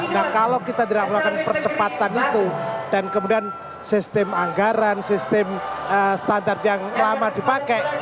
nah kalau kita tidak melakukan percepatan itu dan kemudian sistem anggaran sistem standar yang lama dipakai